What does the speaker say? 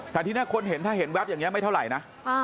แต่ทีนี้คนเห็นถ้าเห็นแป๊บอย่างนี้ไม่เท่าไหร่นะ